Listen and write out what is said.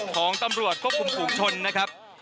ของตำรวจควบคุมฝูงชนนะครับ